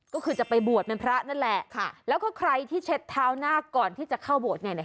ก็คือจะไปบวชเป็นพระนั่นแหละค่ะแล้วก็ใครที่เช็ดเท้าหน้าก่อนที่จะเข้าบวชเนี่ยเนี่ย